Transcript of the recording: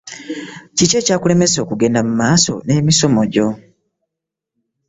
Kiki ekyakulemesa okugenda mu maaso n'emisomo gyo?